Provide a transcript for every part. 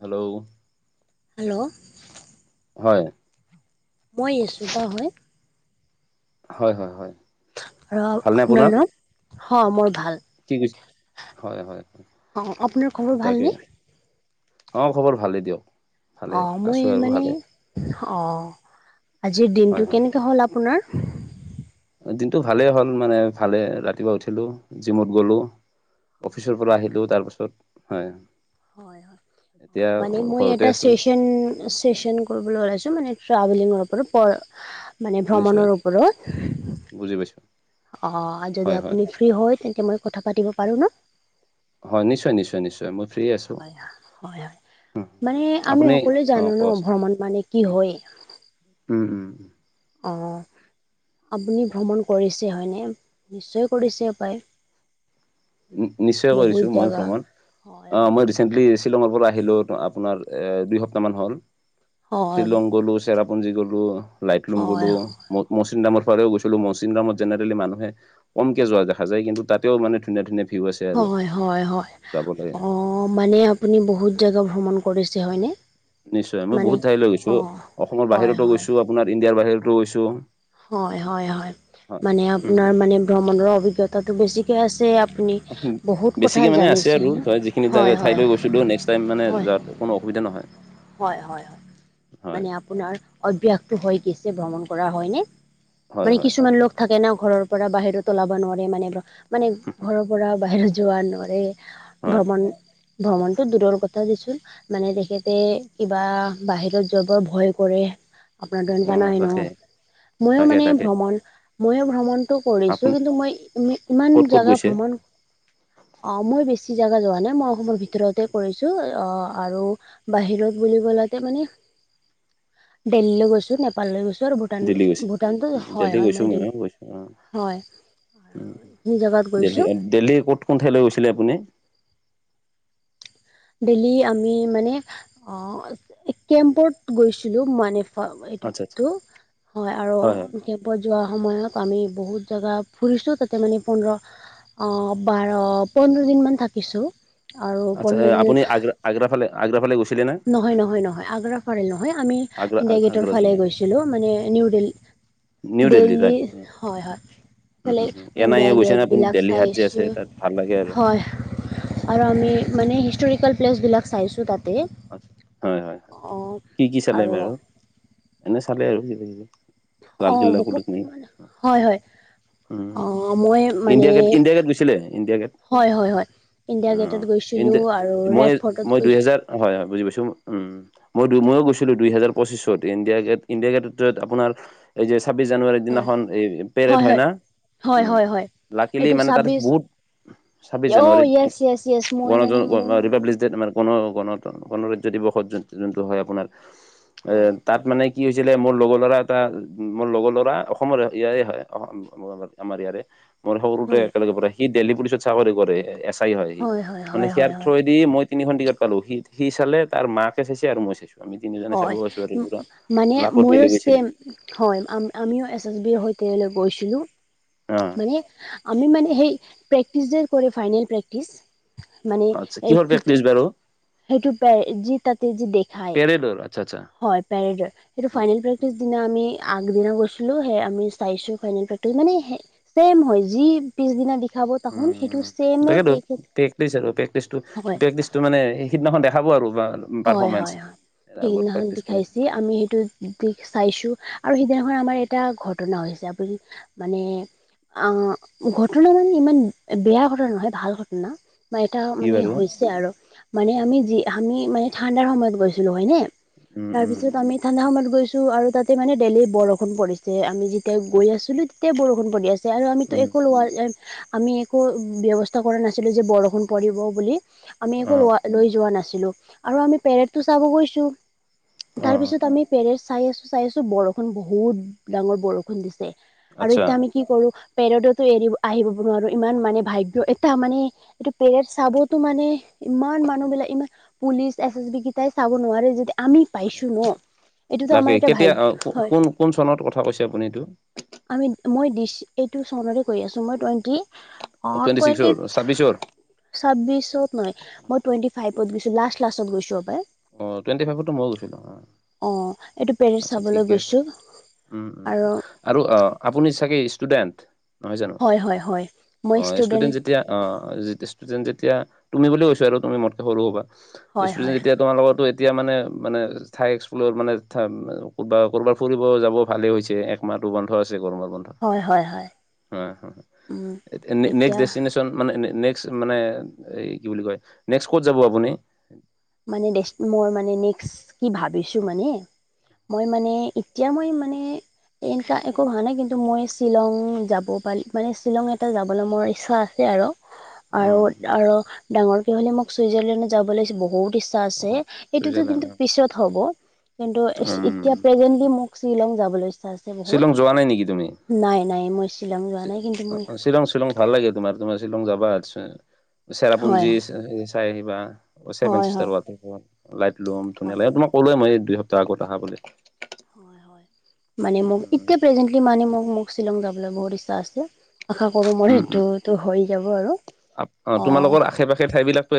Hello, hello, হয়। মই ইছমিত হয়। হয়-হয়-হয়। আৰু আপোনাৰ নাম? হ মই ভাল। কি কৈছে হয়-হয় অ আপোনাৰ খবৰ তাকে। ভালনে অ, খবৰ ভালেই দিয়ক। ভালে অ, মই আছো আৰু মানে ভালে অ, আজিৰ হয় দিনটো হয় কেনেকৈ হ'ল আপোনাৰ? দিনটো ভালেই হ'ল মানে ভালে ৰাতিপুৱা উঠিলো, জিমত গলো। হয় অফিচৰ পৰা হয় আহিলো তাৰপাছত হয়। হয় হয় অ এতিয়া মানে মই ঘৰতে এটা আছো ছেছন-ছেছন কৰিব ওলাইছো মানে ট্ৰাভেলিঙৰ ওপৰত প‌ই মানে নিশ্চয় ভ্ৰমণৰ ওপৰত বুজি পাইছো অ, হয় যদি হয় আপুনি ফ্ৰী হয় তেন্তে মই কথা পাতিব পাৰো ন। হয় নিশ্চয়-নিশ্চয়-নিশ্চয় মই ফ্ৰী আছো হয়-হয়-হয় উম, মানে আমি আপুনি সকলোৱে অ জানো ন ভ্ৰমণ মানে কি হয়। উম-উম। অ, আপুনি ভ্ৰমণ কৰিছে হয়নে? নিশ্চয় কৰিছে পায়। নিশ্চয় বহুত কৰিছো মই জাগা ভ্ৰমণ। হয় অ, হয় মই ৰিচেন্টলি শ্বিলঙৰ পৰা আহিলো আপোনাৰ এ দুই সপ্তাহ মান হ'ল হয় শ্বিলং গ'লো‌ চেৰা পুনজি গ'লো লাইটলুম হয় গ'লো। ম মৌচিন হয় নামৰ ফালেও গৈছিলো মৌচিন নামতেনেলি মানুহে কমকে যোৱা দেখা যায়। কিন্তু তাও মানে ধুনীয়া-ধুনীয়া হয়-হয়-হয় অ, মানে আপুনি বহুত জেগা ভ্ৰমণ কৰিছে হয়নে। নিশ্চয় মই মানে বহুত ঠাইলৈ গৈছো, অঁ অসমৰ হয় বাহিৰতো হয় গৈছো আপোনাৰ ইণ্ডিয়াৰ বাহিৰতো গৈছো। হয়-হয়-হয় হয়। মানে আপোনাৰ মানে ভ্ৰমণৰ অভিজ্ঞতাটো বেছি। বেছিকে মানে আছে জানিছে আৰু, হয়নে? যিখিনি হয় হয় হয় ঠাইলৈ গৈছো দে নেক্স টাইম মানে য কোনো অসুবিধা নহয়। হয়-হয়-হয় হয় মানে আপোনাৰ অভ্যাসটো হৈ গৈছে ভ্ৰমণ কৰা হয়নে। হয় মানে হয় হয় কিছুমান লোক থাকে না ঘৰৰ পৰা বাহিৰো উলাব নোৱাৰে মানে-মানে ঘৰৰ পৰা বাহিৰত যোৱা নোৱাৰে আৰু হয় ভ্ৰমণ ভ্ৰমণতটো দূৰৰ কথা দিছো মানে তেখেতে কিবা বাহিৰত যাব ভয় কৰে। আপোনাৰ দন অ জা নাই ন তাকে ময়ো তাকে মানে তাকে ভ্ৰমণ ময়ো ভ্ৰমণ। [unintelligible] কৰিছো আপুনি কিন্তু মই ই ইমান ক'ত ক'ত জেগা গৈছে ভ্ৰমণ অ, মই বেছি জাগা যোৱা নাই মই অসমৰ ভিতৰতে কৰিছো অ, আৰু বাহিৰত বুলি কলতে মানে দেল্লি লৈ গৈছো নেপাল লৈ গৈছো। ৰ ভূটান দিল্লী গৈছে ভূটানটো হয় দিল্লী হয় মই দিন হয়। খিনি জেগাত গৈছো দেল্লি দেল্লি ক'ত কোন ঠাই লৈ গৈছিলে আপুনি। দেল্লি আমি মানে কেম্পত গৈছিলোঁ মানে। হয় আচ্ছা আচ্ছা এইটো হয় আৰু। কেম্পত যোৱাৰ সময়ত আমি বহুত জেগা ফুৰিছোঁ তাতে মানে পোন্ধৰ। অ বাৰ পোন্ধৰ দিনমান থাকিছোঁ। আৰু আচ্ছা পোন্ধৰ দিনত আপুনি আগ্ৰাফালে আগ্ৰাফালে গৈছিলে নে। নহয় নহয় নহয় আগ্ৰাৰ ফালে নহয় আমি আগ্ৰা ইণ্ডিয়া গেটৰ আগ্ৰা যোৱা ফালে নাই গৈছিলোঁ মানে new new Delhi. Delhi Delhi right হয় হয়। উম ইফালে হুম হুম এন আই ইণ্ডিয়া এ গৈছে নে গেট আপুনি বিলাক দেল্লী হাট যে আছে চাইছো তাত ভাল লাগে আৰু হয়। আৰু উম আমি মানে হিষ্টৰিকেল প্লেচবিলাক চাইছোঁ তাতে। হয় হয় হয় অ কি কি চালে আৰু বাৰু এনে চালে আৰু কিবা-কিবি। অ লালকিল্লাত কটু বহুত মিনিৰ মানে হয় হয় অ উম মই মানে ইণ্ডিয়া গেট ইণ্ডিয়া গেট গৈছিলে ইণ্ডিয়া গেট। হয় হয় হয় ইণ্ডিয়া অ গেটত ইন গৈছিলো আৰু মই ৰেড ফৰ্টত মই দুই গৈছো হেজাৰ হয় হয় বুজি পাইছো উম। মই দুই ময়ো গৈছিলো দুইহেজাৰ পঁচিছত ইণ্ডিয়া গেট ইণ্ডিয়া গেটত আপোনাৰ। এই যে ছাব্বিশ জানুৱাৰীৰ হয় দিনাখন এই পেৰেড হয় না। হয় উম হয় হয় লাকিলি এইটো মানে তাৰে ছাব্বিছ বহুত। ছাব্বিশ অ জানুৱাৰী য়েছ য়েছ য়েছ মই মানে মই গণতন্ত্ৰ ৰিপাব্লিক যে তোমাৰ গণ গণ ত গণৰাজ্য দিৱসত যোনটো হয় আপোনাৰ এ হয় তাত মানে কি হৈছিলে মোৰ লগৰ ল'ৰা এটা মোৰ লগৰ ল'ৰা অসমৰে ইয়াৰে হয় অসম আমাৰ ইয়াৰে। মোৰ সৰুতে হয় একেলগে পঢ়া সি দেল্লী পুলিচত চাকৰি কৰে এছ আই হয় সি মানে হয় সিয়াৰ। হয় হয় থৰদি মই তিনি টিকেট পালো সি সি চালে তাৰ মাকে চাইছে আৰু মই চাইছো। আমি তিনিজনে চাব হয় গৈছো আৰু পুৰা মানে লাখত ময়ো মিলি গৈছিলে ছেম। হয় আমিও এছ এছ বি ৰ সৈতে গৈছিলোঁ। অ। মান আমি মানে সেই প্ৰেটিচ কৰি ফাইনেল প্ৰেক্টিছ। মানে আচ্ছা এই। কিহৰ প্ৰেক্টিচ বাৰু সেইটো পে যি তাতে যি দেখায় পেৰেডৰ আচ্ছা হয় পেৰেডৰ। সেইটো ফাইনেল আচ্ছা প্ৰেক্টিচ দিনা আমি আগদিনা গৈছিলো সে আমি চাইছো ফাইনেল প্ৰেক্টিছ, মানে সেই চেম হয় যি পিছদিনা দিখাব তাহোন সেইটো উম, ছেমে তাকেতো তেখেত হয় তো মানে সেইদিনাখন দেখাব আৰু বা হয় হয় হয় সেইদিনাখন কৰি দেখাইছি। আমি সেইটো দিশ চাইছোঁ আৰু সেইদিনাখন আমাৰ এটা ঘটনা হৈছে আপুনি মানে আহ ঘটনা মানে ইমান বেয়া ঘটনা নহয়, ভাল ঘটনা। এটা কি মানে বাৰু হৈছে আৰু মানে, আমি যি আমি মানে ঠাণ্ডাৰ সময়ত গৈছিলো হয়নে? উম, তাৰ উম, পিছত আমি ঠাণ্ডা সময়ত গৈছো, আৰু তাতে মানে দেল্লি বৰষুণ পৰিছে আমি যি তেতিয়া গৈ আচ্ছা আছিলোঁ তেতিয়া বৰষুণ পৰি আছে আৰু আমিতো উম, একো লোৱা আমি একো ব্যৱস্থা কৰা নাছিলো যে বৰষুণ পৰিব বুলি, আমি একো অ', লোৱা লৈ যোৱা নাছিলো, আৰু আমি পেৰেডটো চাব গৈছো। অ', তাৰপিছত আমি পেৰেড চাই আছো চাই আছো, বৰষুণ বহুত ডাঙৰ বৰষুণ দিছে। আৰু আচ্ছা এতিয়া আমি কি কৰো পেৰেডতো এৰি আহিব নোৱাৰো ইমান মানে ভাগ্য এটা মানে এইটো পেৰেড চাবতো মানে ইমান মানুহবিলাক ইমান পুলিচ এছ এছ বি কেইটাই চাব নোৱাৰে যদি আমি পাইছো ন এইটোতো তাকে আমাৰ এটা কেতিয়া ভাগ্য অ হয়। কোন কোন চনত কথা কৈছে আপুনি এইটো? আমি মই দিছ এইটো চনৰে কৈ আছো মই টুৱেণ্টি অ টুৱেণ্টি। ছিক্সৰ ছাব্বিছৰ ছাব্বিশত নহয় মই টুৱেণ্টি ফাইপত গৈছো লাষ্ট লাষ্টত গৈছো সপায়। অ, টুৱেণ্টি ফাইভতো মইও গৈছিলো আহ, অ এইটো পেৰেড আচ্ছা চাবলৈ ঠিকে আছে। গৈছো উম-উম আৰু আৰু আপুনি চাগে ষ্টুডেণ্ট? নহয় জানো? হয় হয় হয় অ, মই ষ্টুডেন্ট ষ্টুডেণ্ট যেতিয়া অ, ষ্টুডেণ্ট যেতিয়া তুমি বুলি কৈছো আৰু তুমি মোতকে সৰু হ'বা। হয় হয় ষ্টুডেণ্ট যেতিয়া তোমাৰ লগতো এতিয়া মানে-মানে ঠাই এক্সপ্লৰ মানে ৰব ক'ৰবাত ফুৰিব যাব ভালেই হৈছে। তোমাৰটো বন্ধ আছে গৰমৰ বন্ধ, হয় হয় হয় হ-হ উম নে নেক্সট এতিয়া দেষ্টিনেচন মানে নেক্সট মানে এই কি বুলি কয় নেক্সট কত যাব আপুনি? মানে দেছ মোৰ মানে নেক্স কি ভাবিছো মানে। মই মানে এতিয়া মই মানে এনকা একো ভবা নাই, কিন্তু মই শ্বিলং যাব পাৰি মানে শ্বিলং এটা যাবলে মোৰ ইচ্ছা আছে আৰু। অ আৰু-আৰু ডাঙৰ কি হলে মোক চুইজাৰলেণ্ডত যাব লাগিছিল বহুত ইচ্ছা আছে অ' এইটোতো চুইজাৰলেণ্ড কিন্তু অ'। পিছত হ'ব, কিন্তু এতিয়া উম প্ৰেজেণ্টলি মোক শ্বিলং যাবলৈ ইচ্ছা আছে। শ্বিলং যোৱা নাই নেকি তুমি? নাই-নাই মই শ্বিলং যোৱা নাই কিন্তু মই শ্বিলং-শ্বিলং। ভাল লাগে, তোমাৰ তোমাৰ শ্বিলং যাবা হয় হয় চেৰাপুঞ্জী চাই আহিবা। ছেভেন ষ্টাৰ হয় ৱাটাৰফল লাইট লম ধুনীয়া হয় লাগে তোমাক ক'লোৱে মই এই দুই, সপ্তাহ আগত আহা বুলি। হয়-হয় মানে মোক উম এতিয়া প্ৰেজেন্টলি মানে মোক মোক শ্বিলং যাবলৈ বহুত ইচ্ছা আছে। আশা কৰো মোৰ উম সেইটোতো হৈ যাব আৰু। অ, অঁ তোমালোকৰ আশে-পাশে ঠাই বিলাক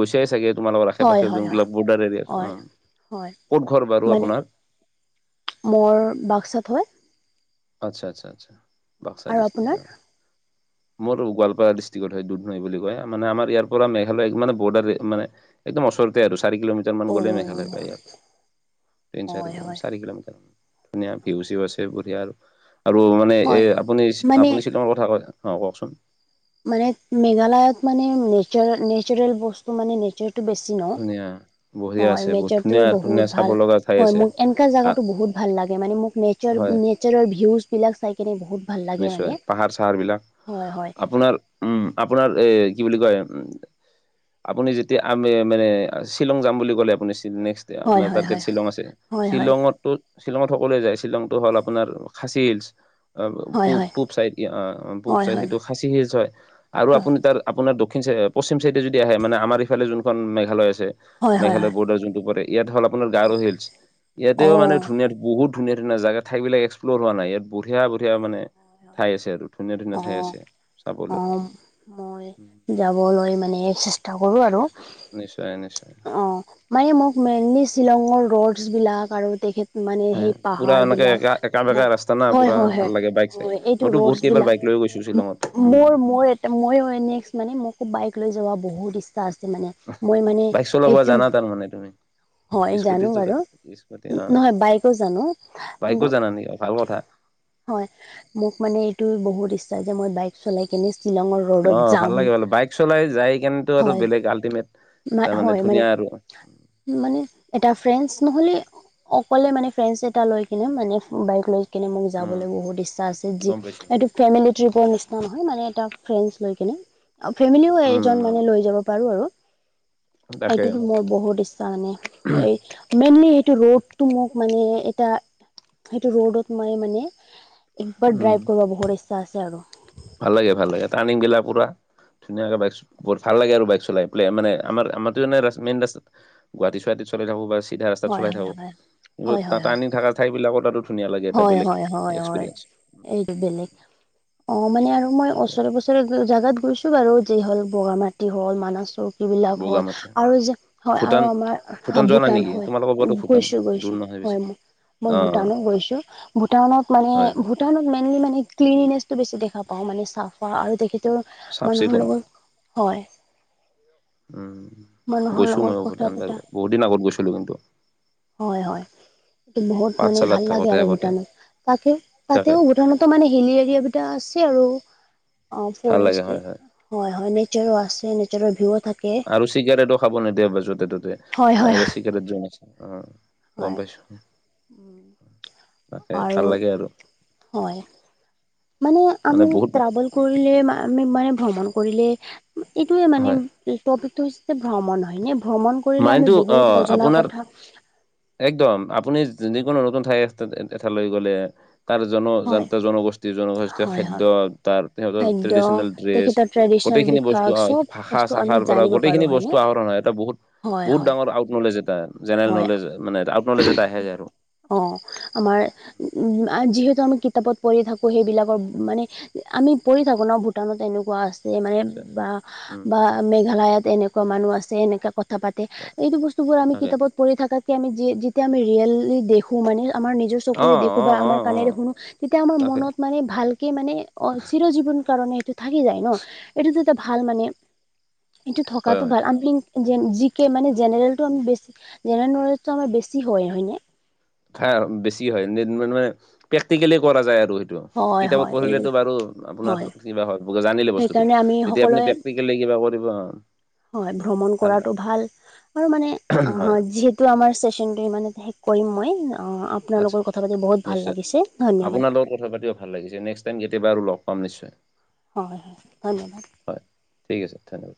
গৈছাই চাগে। তোমালোকৰ আশে হয় পাশে হয় হয় যোনবিলাক বৰ্ডাৰ এৰিয়া আছে অ, হয় হয় ক'ত ঘৰ বাৰু মানে আপোনাৰ? মোৰ বাক্সাত হয়। আচ্ছা-আচ্ছা-আচ্ছা বাক্সা আৰু ডিষ্ট্ৰিক্ট আপোনাৰ অ, [inaudible] মোৰ গোৱালপাৰা ডিষ্ট্ৰিকত হয়, দুধনৈ বুলি কয়, মানে আমাৰ ইয়াৰ পৰা মেঘালয় মে বৰ্ডাৰ মানে একদম ওচৰতে আৰু চাৰি কিলোমিটাৰ মান গ'লেই অঁ মেঘালয় পায় আৰ। তিনি, চাৰি হয় ক হয় চাৰি কিলোমিটা ধুনীয়া ভীউ অঁ চিউ আছে বহীয়া আৰু। আৰু মানে হয় এই আপুনি মানে আপুনি শ্বিলঙৰ কথা কয় অ, কওকচোন? মানে মেঘালয়ত মানে নোৰ নেচাৰেল-নেচাৰেল বস্তু মানে নেচাৰটো বেছি ন। ধুনীয়া বঢ়িয়া হয় আছে বহুত নেচাৰটো ধুনীয়া ধুনীয়া বহুত চাব ভাল। লগা ঠাই হয় আছে মোক এনকা আ, জেগাতো বহুত ভাল লাগে মানে মোক হয় নেচাৰ-নেচাৰৰ ভিউজ বিলাক চাই কিনে বহুত ভাল লাগে নিশ্চয় মানে পাহাৰ চাহাৰ বিলাক হয়-হয়। আপোনাৰ উম, আপোনাৰ এ কি বুলি কয় উম, আপুনি যেতিয়া আমি মানে শ্বিলং যাম বুলি ক'লে আপুনি নেক্সট হয় আপোনাৰ হয় তাতকে হয় শ্বিলং আছে হয় হয় শ্বিলংৰতটো শ্বিলঙত সকলোৱে যায় শ্বিলংটো হ'ল আপোনাৰ খাচী শিলছ। হয় হয় পূব-পূব চাইড অ, পূব হয় চাইড সেইটো হয় খাচি শিলচ হয় আৰু আপুনি তাৰ আপোনাৰ দক্ষিণ চাই পশ্চিম চাইডে যদি আহে মানে আমাৰ ইফালে যোনখন মেঘালয় আছে। হয় হয় মেঘালয় হয় বৰ্ডাৰ যোনটো পৰে ইয়াত হ'ল আপোনাৰ গাৰো শিলচ ইয়াতেও মানে অঁ ধুনীয়া বহুত ধুনীয়া-ধুনীয়া জেগা ঠাইিলাক এক্সপ্লৰ হোৱা নাই ইয়াত বঢ়িয়া য়া মানে ঠাই আছে আৰু ধুনীয়া-ধুনীয়া ঠাই অঁ আছে চাবলে। অঁ মই যাবলৈ মানে চেষ্টা কৰো আৰু। নিশ্চয়-নিশ্চয়। অ, মানে মোক মেইনলি শ্বিলঙৰ ৰডছ বিলাক আৰু তেখেত মানে হা, সেই পুৰা পাহাৰ এনেকে একা বিলাক একা বেকা ৰাস্তা না পুৰা ভাল লাগে বাইক চাইক হয়-হয়-হয়-হয় এত মইতো বহুত কেইবাৰ বাইক লৈ গৈছো ৰডছবিলাক শ্বিলঙত উম মোৰ মই ত মই হয় নেক্সট মানে মোকো বাইক লৈ যোৱা বহুত ইচ্ছা আছে মানে মই মানে ল'ব এইটো জানা তাৰমানে তুমি? হয় জানো স্কুটিটো বাৰু, জানা স্কুটি অ নহয় বাইকো জানো বাইকো কিন্তু জানা নেকি ভাল কথা হয় মোক মানে এইটো বহুত ইচ্ছা যে মই বাইক চলাই কিনে শ্বিলঙৰ অ ৰ'ডত ভাল যাম লাগে বোলোঁ বাইক চলাই যাই কিনেটো আৰু হয় বেলেগ আল্টিমেট এটা মানে ধুনীয়া আৰু মানে এটা ফ্ৰেঞ্চ নহ'লে অকলে মানে ফ্ৰেণ্ডছ এটা লৈ কিনে মানে বাইক লৈ কিনে মোক উম যাবলৈ বহুত ইচ্ছা আছে যি গম পাইছো এইটো ফেমিলি ট্ৰিপৰ নিচিনা নহয় মানে এটা ফ্ৰেণ্ডছ লৈ কিনে। ফেমিলিও উম এজন মানে হয় লৈ যাব পাৰোঁ আৰু তাকে এইটোতো মোৰ বহুত ইচ্ছা মানে এই মেইনলি সেইটো ৰ'ডটো মোক মানে এটা সেইটো ৰ'ডত মই মানে একবাৰ উম ড্ৰাইভ কৰিব বহুত ইচ্ছা আছে আৰু। ভাল লাগে ভাল লাগে টাৰ্ণিং বিলাক পুৰা ধুনীয়াকে বাইক বহুত ভাল লাগে আৰু বাইক চলাই পেলাই মানে আমাৰ আমাৰ ৰাস্মিন গুৱাহাটী চুৱাহাটী চলাই থাকোঁ বা চিধা ৰাস্তাত হয় চলাই থাকোঁ হয় কিন্তু হয় হয় হয় টাৰ্ণিং থকা ঠাই বিলাকত আৰু ধুনীয়া লাগে এটা হয় বেলেগ হয় হয় হয় হয় এক্সপিৰিয়েঞ্চ এইটো বেলেগ অ মানে আৰু মই তাকে ওচৰে পুচৰে জাগাত গৈছোঁ বাৰু। যি হ'ল বগা মাটি হ'ল মানচ ৰূপ বিলাক হয় বগামাটি আৰু যে হয় আৰু ভূটান আমাৰ যোৱা নাই ভূটান নেকি হয় তোমালোকৰ পৰাতো ভূটান গৈছোঁ দূৰ গৈছোঁ নহয় হয় বেছি অ মই ভূটানো গৈছোঁ ভূটানত হয় হয় মানে টাউনত মেইনলি মানে ক্লিনিনেছতো বছি দেখা পায় মানে চাফা আৰু- ত চাফ মানুহৰ চিকুণ লগত হয়। উম, মানুহৰ গৈছোঁ লগত মই‌য়ো কথা ভূটান পতা বাৰু বহুত দিনৰ আগত গৈছিলোঁ কিন্তু। হয় হয়, এইটো বহুত মানে পাঠশালাত ভাল লাগে থাকোতে আৰু আগতে ভূটানত, তাকে তাকে তাতেও ভূটানত- ত মানে হিলি এৰিয়া কেইটা আছে আৰু অ ভাল লাগে ফৰেষ্ট হয় হয় হয় নেচাৰো আছে নেচাৰৰ ভিউও থাকে আৰু চিগাৰেটো খাব নিদিয়ে য'তে ত'তে হয় হয় বাহিৰত চিগাৰেট য আছে অ গম হয় পাইছোঁ তাকে আৰু ভাল লাগে আৰু হয় মানে আমি বহুত ট্ৰাভেল উম, কৰিলে আমি মানে ভ্ৰমণ কৰিলে এইটোৱে মানে হয় টপিকটো হৈছে ভ্ৰমণ হয় নে ভ্ৰমণ কৰিলে আমি মাইণ্ডটো অ বহুত নজনা আপোনাৰ কথা। একদম আপুনি যিকোনো নতুন ঠাই এঠাইলৈ গ'লে তাৰ জন হয় জনতা জনগোষ্ঠী জনগোষ্ঠীয় হয় খাদ্য হয় তাৰ তেহঁতৰ খাদ্য ট্ৰেডিচনেল ড্ৰেছ তেখেতৰ ট্ৰেডিচনেল গোটেইখিনি বস্তু বিষয়ক চব ভাষা বস্তু আমি শাখাৰ পৰা- জানিব সেইখিনি পাৰোঁ বস্তু হয়নে আহৰণ হয়, এটা বহুত- হয় বহুত হয় ডাঙৰ আউট নলেজ এটা, জেনেৰেল নলেজ মানে আউট নলেজ এটা আহি যায় আৰু। অহ ', আমাৰ উম যিহেতু আমি কিতাপত পঢ়ি থাকো সেইবিলাকৰ মানে- আমি পঢ়ি থাকো ন ভূটানত এনেকুৱা আছে- মানে নিশ্চয়। বা উম বা মেঘালয়ত এনেকুৱা মানুহ আছে এনেকা কথা- পাতে, এইটো বস্তুবোৰ আমি তাকে কিতাপত পঢ়ি থকাতকে আমি- যেতিয়া আমি ৰিয়েললি দেখোঁ মানে আমাৰ নিজৰ - অ চকুৰে দেখো অ বা অ আমাৰ অ কানেৰে শুনোঁ, তেতিয়া আমাৰ তাকে মনত মানে ভাল- কে মানে অহ' চিৰ জীৱনৰ কাৰণে সেইটো থাকি যায় ন, এইটো যে এটা ভাল মানে- এইটো হয় থকাতটো হয় ভাল, আমি জি কে মানে জেনেৰেলটো আমি বেছি জেনেৰেল নলেজটো আমাৰ বেছি- জি হয়, হয়নে। খা বেছি হয় মানে প্ৰেক্টিকেলি কৰা যায় আৰু সেই- হয় কিতাপত হয় এইবিলাক পঢ়িলেতো বাৰু আপোনাৰ হয় কিবা হয় জানিলে বস্তুটো, সেইকাৰণে আমি তেতিয়া আপুনি- সকলোৱে প্ৰেক্টিকেলি কিবা কৰিব। হয়, ভ্ৰমণ কৰাতটো ভাল আৰু মানে হয় যিহে - তু আমাৰ চেচনটো ইমানতে শেষ কৰিম মই, আপোনাৰ আচ্ছা লগত কথা পাতি বহুত ভাল নিশ্চয় লাগিছে আপোনাৰ ধন্যবাদ। লগত কথা পাতিও ভাল লাগিছে, নেক্স টাইম কেতিয়াবা আৰু লগ পাম নিশ্চয়। হয় হয়, ধন্যবাদ। হয়, ঠিক আছে ধন্যবাদ।